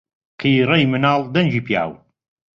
قیڕەی مناڵ دەنگی پیاو